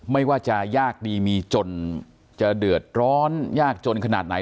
ไม่ว่าจะยากดีมีจนจะเดือดร้อนยากจนขนาดไหน